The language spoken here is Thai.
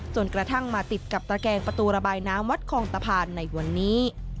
จนกระทั่งมาติดกับตระแกงประตูระบายน้ำวัดคลองตะพานในวันนี้